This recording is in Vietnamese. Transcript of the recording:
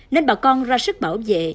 nên bà con ra sức bảo vệ